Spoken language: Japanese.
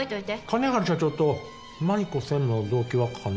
金治社長と真梨子専務の動機は金。